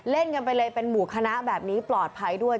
เล่นกันไปเลยเป็นหมู่คณะแบบนี้ปลอดภัยด้วย